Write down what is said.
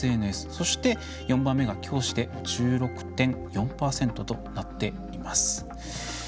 そして、４番目が教師で１６．４％となっています。